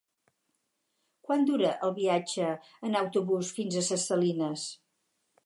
Quant dura el viatge en autobús fins a Ses Salines?